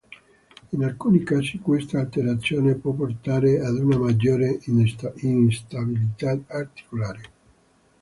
In alcuni casi, questa alterazione può portare ad una maggiore instabilità articolare.